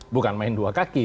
bukan main dua kaki